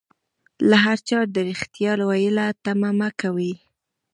له هر چا د ريښتيا ويلو تمه مکوئ